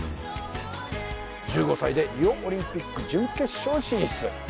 １５歳でリオオリンピック準決勝進出